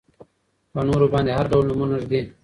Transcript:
په نورو باندې هر ډول نومونه ږدي.